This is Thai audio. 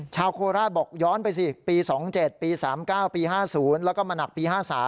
โคราชบอกย้อนไปสิปี๒๗ปี๓๙ปี๕๐แล้วก็มาหนักปี๕๓